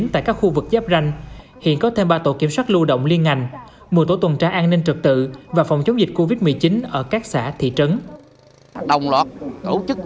tại các khu vực cách ly phong tỏa phòng chống dịch bệnh